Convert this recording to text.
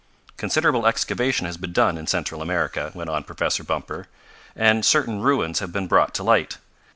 "Considerable excavation has been done in Central America," went on Professor Bumper, "and certain ruins have been brought to light.